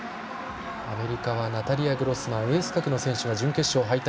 アメリカはナタリヤ・グロスマンエース格の選手が準決勝敗退。